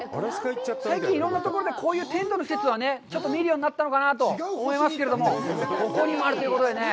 最近、いろんなところでこういうテントの施設をちょっと見るようになったのかなと思いますけれども、ここにもあるということで。